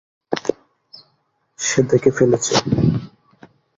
সে দেখে ফেলেছে!